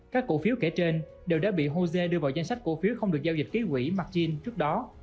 các cổ phiếu kể trên đều đã bị hồ sê đưa vào danh sách cổ phiếu không được giao dịch ký quỷ mặt chín trước đó